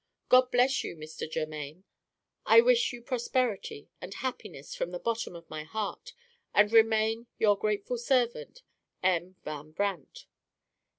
God bless you, Mr. Germaine! I wish you prosperity and happiness from the bottom of my heart; and remain, your grateful servant, "M. VAN BRANDT.